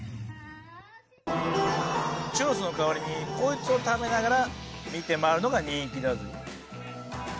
チュロスの代わりにこいつを食べながら見て回るのが人気だぜ。